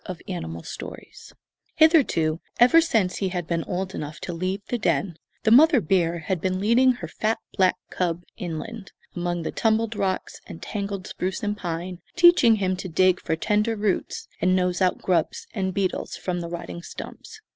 FROM THE TEETH OF THE TIDE HITHERTO, ever since he had been old enough to leave the den, the mother bear had been leading her fat black cub inland, among the tumbled rocks and tangled spruce and pine, teaching him to dig for tender roots and nose out grubs and beetles from the rotting stumps.